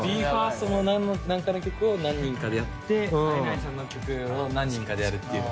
ＢＥ：ＦＩＲＳＴの何かの曲を何人かでやってＩＮＩさんの曲を何人かでやるっていう。